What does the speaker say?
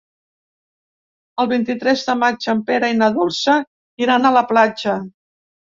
El vint-i-tres de maig en Pere i na Dolça iran a la platja.